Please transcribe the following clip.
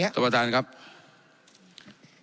เป็นเพราะว่าคนกลุ่มหนึ่ง